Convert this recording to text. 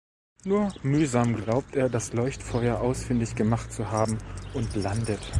Nur mühsam glaubt er das Leuchtfeuer ausfindig gemacht zu haben und landet.